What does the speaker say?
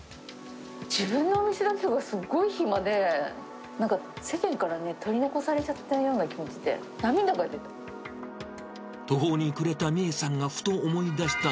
自分のお店だけがすごいひまで、なんか世間からね、取り残されちゃったような気がして、涙が出た。